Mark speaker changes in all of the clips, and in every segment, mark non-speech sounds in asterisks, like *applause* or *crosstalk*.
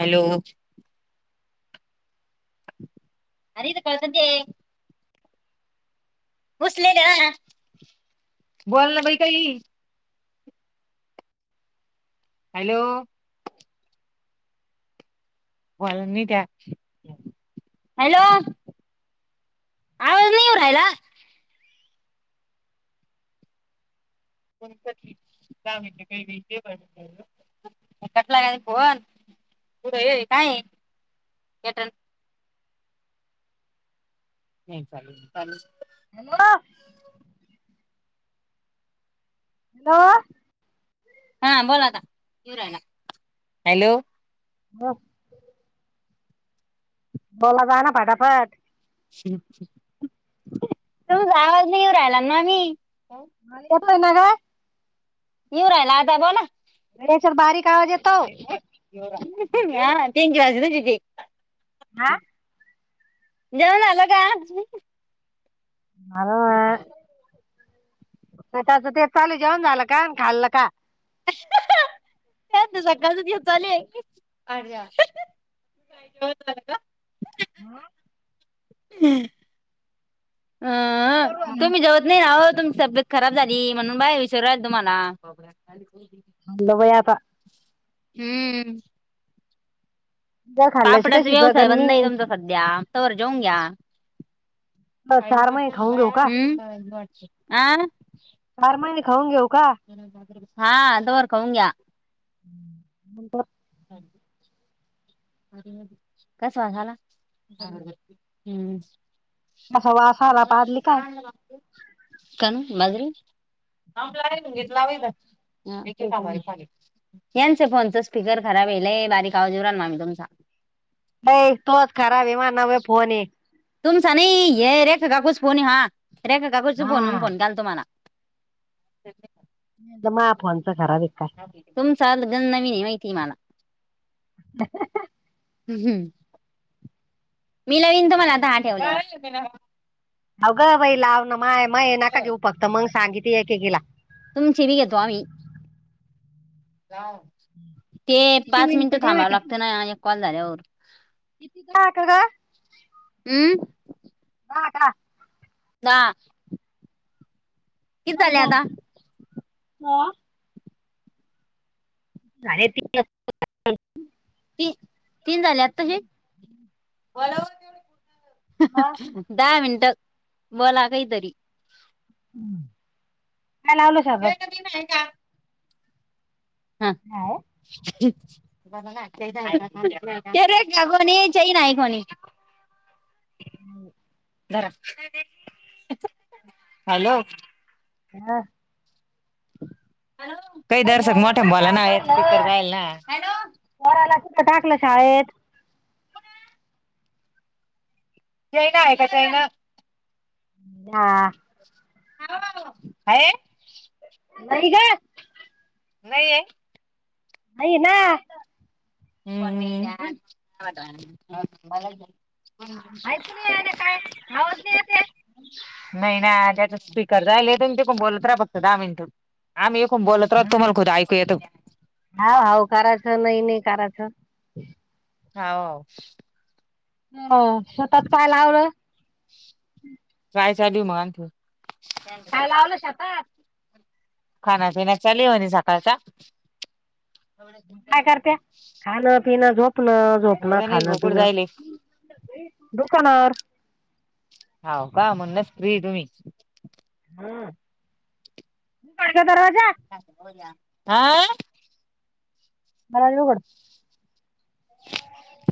Speaker 1: Hello. अरत काळ संजय *unintelligible* उसलेल ना बोल ना बाई काही? हॅलो बोलत नाही त्या हॅलो आवाज नाहीऊ राहिला? का म्हणे काही विे पण *unintelligible* कसला का फोन पुढे हे कायट? नाही चालेल चाले.
Speaker 2: हॅलो! हॅलो
Speaker 1: हा बोलातारा हॅलो
Speaker 2: वा बोला जा ना फटाफट.
Speaker 1: तुमचा आवाज नाही येऊ राहिला मामी.
Speaker 2: येतो ना ग?
Speaker 1: इवराय ना आता बोला
Speaker 2: ब सर बारीक आवाज येतो
Speaker 1: त क राजज
Speaker 2: हा
Speaker 1: जेवण झालं काय?
Speaker 2: मझ *unintelligible* त्याच ते चालू जेवण झालं का खाल्ल का?
Speaker 1: त्याचं सकाळच तेच चालू आहे ळ तारख *unintelligible*
Speaker 2: हम
Speaker 1: हम्म अ
Speaker 2: खाल्लं
Speaker 1: तुम्ही जेवत नाही आहत *unintelligible* तुमची तब्येत खराब झाली म्हणून बाया विचारू राहिल्या तुम्हाला
Speaker 2: न ल वयाता *unintelligible*
Speaker 1: हम्म
Speaker 2: जर खाल्ल्याशी
Speaker 1: पापडाचा
Speaker 2: कशी
Speaker 1: व्यवसाय
Speaker 2: जगन मी
Speaker 1: बंद आहे तुमचा सध्या तोवर जेऊन घ्या
Speaker 2: चार महिने खाऊन घेऊ का
Speaker 1: आ
Speaker 2: चार
Speaker 1: *unintelligible*
Speaker 2: महिने खाऊन घेऊ का
Speaker 1: हा तोवर खाऊन घ्या
Speaker 2: नंतर
Speaker 1: ह *unintelligible* कस वा झाला हम्म
Speaker 2: असा वास
Speaker 1: *inaudible*
Speaker 2: आला पाजली काय
Speaker 1: काण बाजरी ह लावल घी लाव *unintelligible* यांच फोनच स्पीकर खराब आहे, लई बारीक आवाज येऊन राहिला मामी तुमचा.
Speaker 2: नाही तोच खराब ये माझा नवा फोन ये
Speaker 1: तुमचा नाही हे रेखा काकूच फोन आहे. हा रेखा काकूच्या फोनवरून
Speaker 2: हा
Speaker 1: फोन केला तुम्हाला ते *inaudible*
Speaker 2: नाही मग फोनचा खराब ए काय?
Speaker 1: चाल नवीन माहिती मला
Speaker 2: *inaudible*
Speaker 1: हम्म मी लावीन तुम्हाला आता हा ठेवला
Speaker 2: अगं बाई! लाव ना माय मग नाव नका घेऊ फक्त मग सांगिती एकेकीला
Speaker 1: तुमची भी घेतो आम्ही ते
Speaker 2: किती
Speaker 1: पाच मिनिटं
Speaker 2: दहा
Speaker 1: थांबावं
Speaker 2: का
Speaker 1: लागत ना आणि कॉल झाल्यावर
Speaker 2: किती का ग?
Speaker 1: हम्म दा किती झाले आता?
Speaker 2: हो साडेतीनशे
Speaker 1: ती तीन झाले आताशी?
Speaker 2: मग
Speaker 1: दहा मिनट बोला काहीतरी
Speaker 2: हम्म
Speaker 1: वेळ कधी आहे का? हा
Speaker 2: काय
Speaker 1: कोणी च नाही कोणी *unintelligible* *inaudible*
Speaker 2: हम्
Speaker 1: धरा हॅलो
Speaker 2: हम
Speaker 1: काही दर्शक
Speaker 2: बोला
Speaker 1: मोठ्या भाला
Speaker 2: काय
Speaker 1: ना आहेत स्पीकर
Speaker 2: चाललं
Speaker 1: रायल ना
Speaker 2: पोराला कुठे टाकलं शाळेत?
Speaker 1: *inaudible* जैन आहे का जैन?
Speaker 2: हा
Speaker 1: आहे
Speaker 2: नाही ग
Speaker 1: नाही ये
Speaker 2: आहे ना
Speaker 1: हो म हम *inaudible*
Speaker 2: ऐकू नाही आलं काय आवाज नाही येते
Speaker 1: नाही ना त्याचा स्पीकर जाईल आहे तुम्ही तिकुन बोलत राहा फक्त दहा मिनिटं आम्ही एकूण बोलत राहतो
Speaker 2: हा
Speaker 1: तुम्हाला खुद ऐकू येतो
Speaker 2: हा हाव करायचं नाही नाही करायचं
Speaker 1: हवं
Speaker 2: हो स्वताचत काय लावलं?
Speaker 1: रायचा दिऊ मगत
Speaker 2: काय लावलं शेतात
Speaker 1: खाना पिना चालु आहे म्हणे सकाळ चा-
Speaker 2: काय करत्या या खाण पिन झोप? पण झोपणं
Speaker 1: गणेश
Speaker 2: खाण
Speaker 1: बोकुड
Speaker 2: पिणं
Speaker 1: जायले
Speaker 2: दुकानांवर
Speaker 1: होव का म्हणूनच फ्री तुम्ही-
Speaker 2: ह पाळी दरवाजा *inaudible*
Speaker 1: आं
Speaker 2: मारज होकड.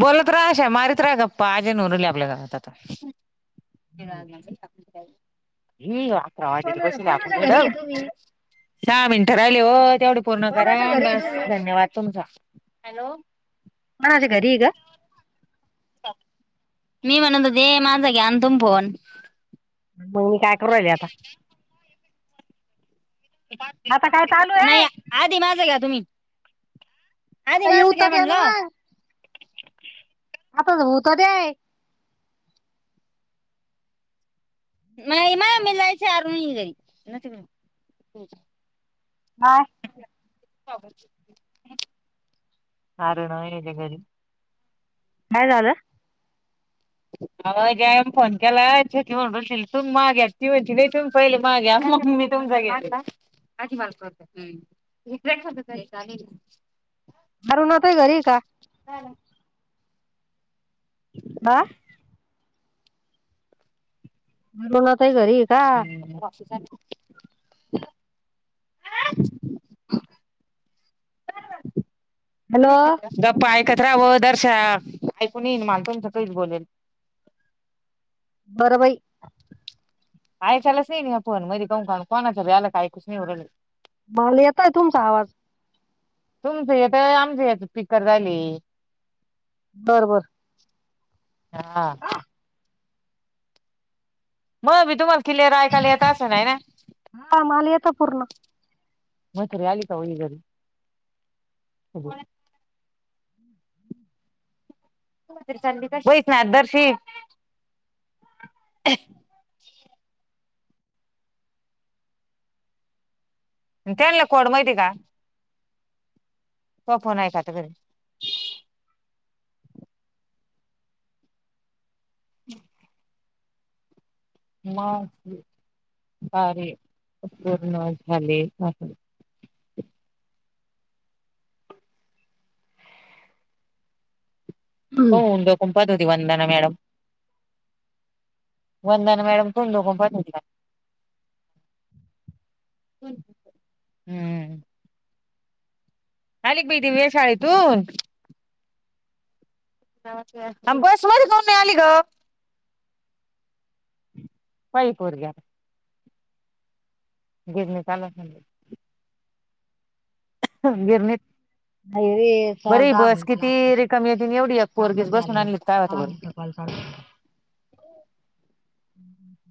Speaker 1: बोलत रहा अशा मारीत रहा गप्पा आजेन उनवली आपल्या गावात आता. *inaudible* *inaudible*
Speaker 2: कोणाच्या घरी आहे तुम्ही
Speaker 1: सहा मिनिटं राहिले हो तेवढे पुर्ण करा
Speaker 2: कोणाच्या घरी आहे
Speaker 1: बस
Speaker 2: तुम्ही
Speaker 1: धन्यवाद तुमचा हॅलो-..
Speaker 2: माझे घरी आहे -ग.
Speaker 1: मी म्हणतं होते माझा घ्यान तुम्ही- फोन.
Speaker 2: मग मी काय करू राहिले आता. आता काय चालू
Speaker 1: *unintelligible*
Speaker 2: आहे?
Speaker 1: नाही आधी माझं घ्या तुम्ही- आधी
Speaker 2: का
Speaker 1: माझा
Speaker 2: येवुत
Speaker 1: घ्या
Speaker 2: द्या ना व
Speaker 1: म्हणलं
Speaker 2: आताच होवु ते दे-
Speaker 1: ममी ला विचारून घे-
Speaker 2: काय?
Speaker 1: *unintelligible* आर नाय हाय ती घरी.
Speaker 2: काय झालं-?
Speaker 1: रिकामा ऑडिओ अव ज्याने फोन केलाय तु माग्या ती म्हण तुम पहिले माग्या *inaudible* *inaudible*
Speaker 2: अरूणा ताई घरी आहे का?
Speaker 1: हा ना-.
Speaker 2: अं. म्हणुन आता ही घरी आहे का?
Speaker 1: रिकामा ऑडिओ *inaudible* *unintelligible*
Speaker 2: हॅलो.
Speaker 1: नाही ना मला तुमचं काहीच बोलेल.
Speaker 2: बरं बाई.
Speaker 1: *inaudible*
Speaker 2: मला येतंय तुमचा आवाज.
Speaker 1: तुमचं येतंय आमचं *unintelligible*
Speaker 2: बरं बरं.
Speaker 1: हां.. मग मी तुम्हाला क्लियर ऐकायला येत असंल हाय ना. -
Speaker 2: हा मला येतं पूर्ण.
Speaker 1: म्हातारी आली काहो ही घरी *inaudible* *inaudible* रिकामा ऑडिओ त्यांला कोड माहिती आहे का? त्वा फोन हाय का आता घरी? रिकामा ऑडिओ मग. *unintelligible* पूर्ण झाले आहे. *unintelligible* होती वंदना मॅडम. वंदना मॅडम *unintelligible* हम्म. आली का बाई दिव्या शाळेतून. बसमहून का हुन नाय आली ग? पायी पोर घ्या. *unintelligible* गिरणीत.
Speaker 2: नाही रे चाल
Speaker 1: बरी
Speaker 2: दहा
Speaker 1: बस
Speaker 2: मिनिटं
Speaker 1: किती
Speaker 2: लागते. का?
Speaker 1: रिकामी एवढी एक पोरगी
Speaker 2: सातच झाले
Speaker 1: बसून
Speaker 2: ना.
Speaker 1: आली काय माहिती
Speaker 2: दहा
Speaker 1: बाई.
Speaker 2: *unintelligible*
Speaker 1: रिकामा ऑडिओ
Speaker 2: हम्म.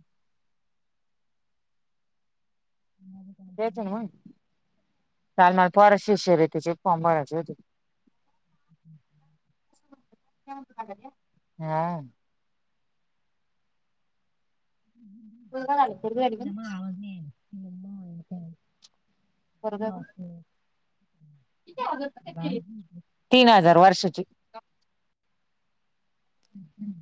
Speaker 1: *inaudible* त्याला पोरांचे शिष्यवृत्तीचे फॉर्म भरायचे होते
Speaker 2: हम्म
Speaker 1: हा.
Speaker 2: आहे. मग आवाज
Speaker 1: *unintelligible*
Speaker 2: *unintelligible*
Speaker 1: तीन हजार वर्षाची.
Speaker 2: हम्म--.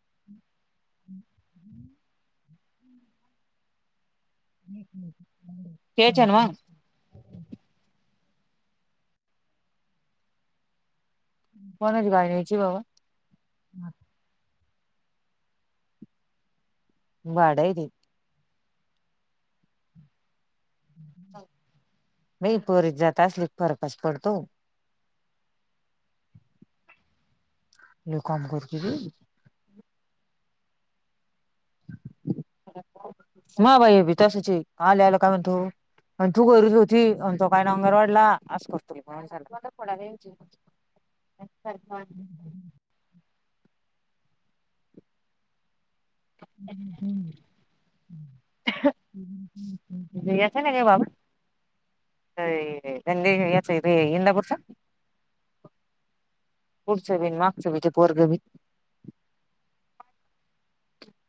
Speaker 2: *unintelligible* *inaudible*
Speaker 1: घ्यायचे नव्ह. कोणच गायण्याची बाबा
Speaker 2: *unintelligible*
Speaker 1: वाड हाय ते. बाई पोरीची जात असली की फरकच पडतो लय काम करती की.. *inaudible* आणि तू गरीच होती तो काय ना अंगर वाढला असं करतोला अच्छा
Speaker 2: ह
Speaker 1: जायचं नाही का बाबा अंदच इंदापूरचा पुढसे बी मागसे मागचे बी पोरग बी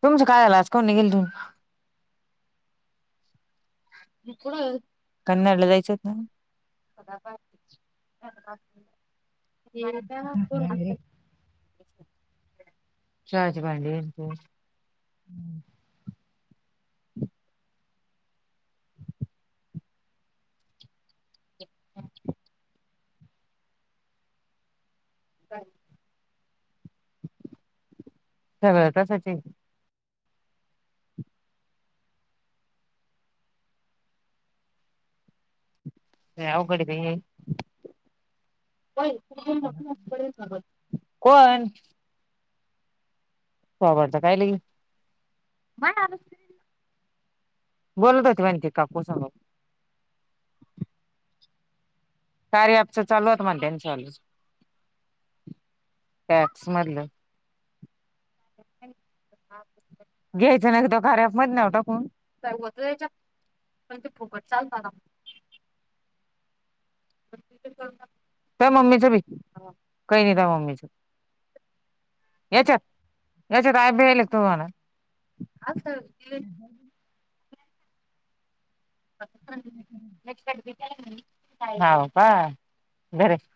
Speaker 1: तुमचं कायलाज कोण निघेल तु कन्नडला जायच ना
Speaker 2: येणार.
Speaker 1: चहाचे भांडे दोन हम् सगळं तसंच आहे लई अवघड आहे बाई कोण? *inaudible* बोलत होते माखी काकू सग कार्य आपच चालूत म्हणतेनी चालू टॅक्स मधलं घ्यायचं ना तो खऱ्याफ म ना टाकून पण ते फोकतट चाल मला. - *inaudible* त्या मम्मीच भी काही नाही *unintelligible* याच्यात - याच्यात भिले तूहाला. -
Speaker 2: ह *inaudible*
Speaker 1: बट *unintelligible* हव का बरं. -